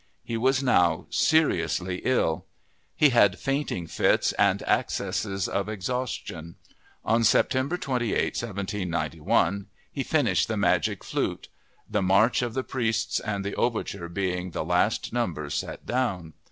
He was now seriously ill. He had fainting fits and accesses of exhaustion. On September 28, 1791, he finished The Magic Flute—the March of the Priests and the overture being the last numbers set down.